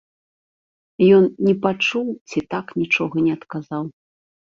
Ён не пачуў ці так нічога не адказаў.